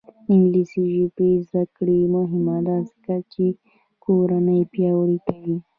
د انګلیسي ژبې زده کړه مهمه ده ځکه چې کورنۍ پیاوړې کوي.